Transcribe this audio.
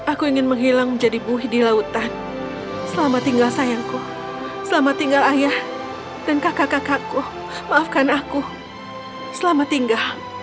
aku ingin menghilang menjadi buhi di lautan selamat tinggal sayangku selamat tinggal ayah dan kakak kakakku maafkan aku selamat tinggal